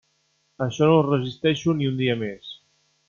Això no ho resisteixo ni un dia més.